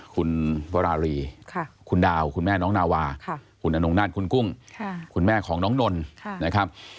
คุณวรารีคุณดาวคุณแม่น้องนาวาคุณอนงนาฏคุณกุ้งคุณแม่ของน้องนนท์นะครับ